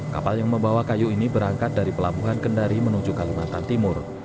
kapal yang membawa kayu ini berangkat dari pelabuhan kendari menuju kalimantan timur